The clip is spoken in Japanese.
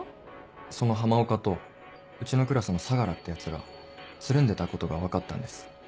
その浜岡とうちのクラスの相楽ってヤツがつるんでたことが分かったんです。